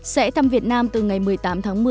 sẽ thăm việt nam từ ngày một mươi tám tháng một mươi